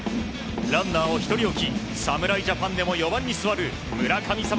ランナーを１人置き侍ジャパンでも４番に座る村神様